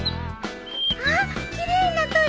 あっ奇麗な鳥！